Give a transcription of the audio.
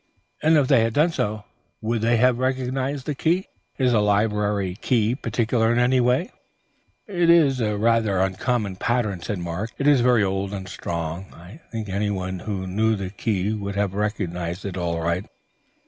"And if they had done so, would they have recognized the key? Is the library key peculiar in any way?" "It is rather an uncommon pattern," said Mark. "It is very old and strong. I think anyone who knew the key would have recognized it all right."